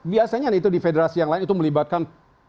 biasanya itu di federasi yang lain itu melibatkan